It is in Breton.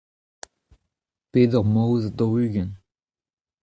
peder maouez ha daou-ugent.